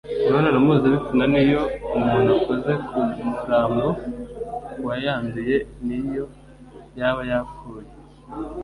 imibonano mpuzabitsina n’iyo umuntu akoze ku murambo wayanduye n’iyo yaba yapfuye